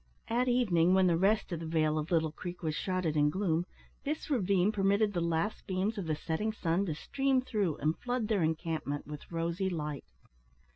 At evening, when the rest of the vale of Little Creek was shrouded in gloom, this ravine permitted the last beams of the setting sun to stream through and flood their encampment with rosy light.